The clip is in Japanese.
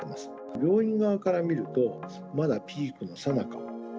病院側から見ると、まだピークのさなか。